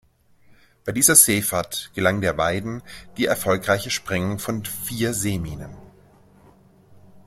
Bei dieser Seefahrt gelang der Weiden die erfolgreiche Sprengung von vier Seeminen.